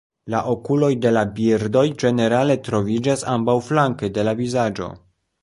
La okuloj de la birdoj ĝenerale troviĝas ambaŭflanke de la vizaĝo.